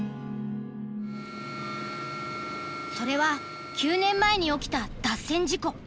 それは９年前に起きた脱線事故。